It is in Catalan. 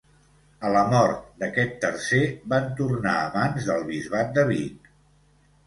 A la mort d’aquest tercer van tornar a mans del bisbat de Vic.